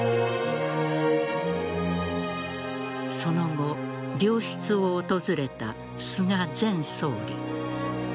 その後、病室を訪れた菅前総理。